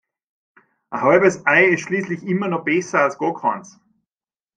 Ein halbes Ei ist schließlich immer noch besser als gar keins.